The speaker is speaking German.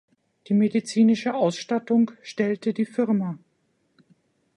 Die medizinische Ausstattung stellte die Fa.